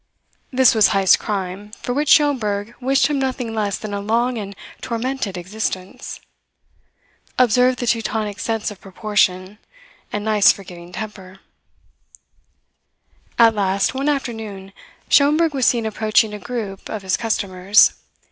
This was Heyst's crime, for which Schomberg wished him nothing less than a long and tormented existence. Observe the Teutonic sense of proportion and nice forgiving temper. At last, one afternoon, Schomberg was seen approaching a group of his customers.